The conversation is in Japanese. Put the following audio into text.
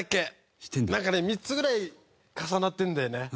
なんかね３つぐらい重なってるんだよね。